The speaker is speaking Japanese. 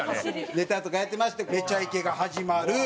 ネタとかやってまして『めちゃイケ』が始まる。